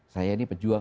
saya ini pejuang